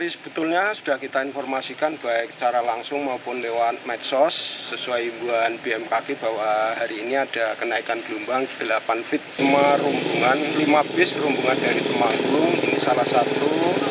semua rumbungan lima bis rumbungan dari tempat umum ini salah satu